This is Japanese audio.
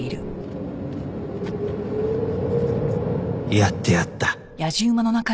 やってやった